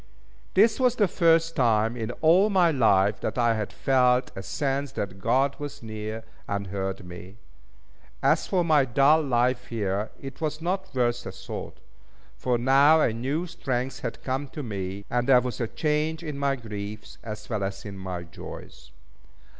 This was the first time in all my life that I had felt a sense that God was near, and heard me. As for my dull life here, it was not worth a thought; for now a new strength had come to me; and there was a change in my griefs, as well as in my joys.